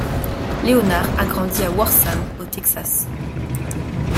Leonard a grandi à Wortham au Texas.